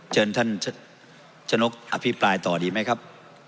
เชิญท่านชนกอภิปรายต่อดีไหมครับ